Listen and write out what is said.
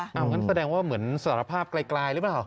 เอางั้นแสดงว่าเหมือนสารภาพไกลหรือเปล่า